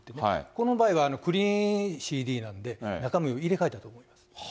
この場合は、クリーンＣＤなんで、中身を入れ替えたということなんです。